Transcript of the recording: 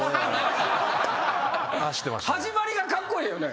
始まりがカッコエエよね。